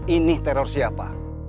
ini teror siapa